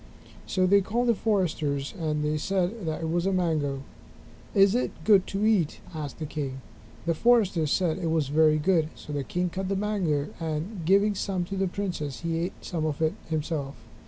So they called the foresters and they said that it was a mango. "Is it good to eat?" asked the king. The foresters said it was very good. So the king cut the mango and giving some to the princes, he ate some of it himself.